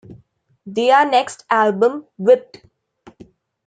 Their next album Whipped!